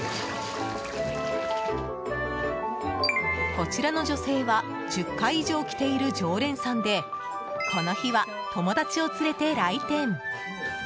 こちらの女性は１０回以上来ている常連さんでこの日は友達を連れて来店。